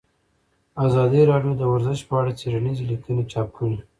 ازادي راډیو د ورزش په اړه څېړنیزې لیکنې چاپ کړي.